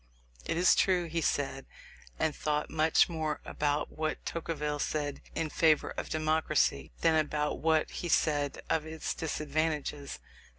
It is true, he said and thought much more about what Tocqueville said in favour of democracy, than about what he said of its disadvantages.